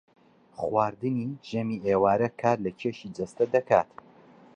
خواردنی ژەمی ئێوارە کار لە کێشی جەستە دەکات